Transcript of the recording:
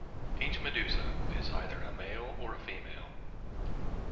Each medusa is either a male or a female.